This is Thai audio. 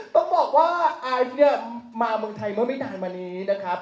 ต้องบอกว่าไอซ์เนี่ยมาเมืองไทยเมื่อไม่นานมานี้นะครับ